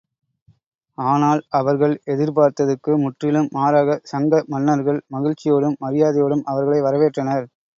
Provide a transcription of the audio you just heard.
ஆனால், அவர்கள் எதிர்பார்த்ததற்கு முற்றிலும் மாறாகச் சங்க மன்னர்கள் மகிழ்ச்சியோடும் மரியாதையோடும் அவர்களை வரவேற்றனர்.